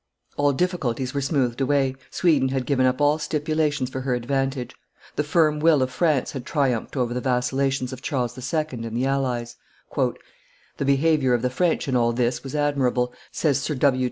All difficulties were smoothed away Sweden had given up all stipulations for her advantage; the firm will of France had triumphed over the vacillations of Charles II. and the allies. "The behavior of the French in all this was admirable," says Sir W.